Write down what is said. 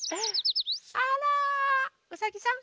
あらうさぎさん。